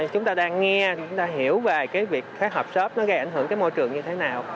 chúng ta hiểu về việc các hộp xốp nó gây ảnh hưởng môi trường như thế nào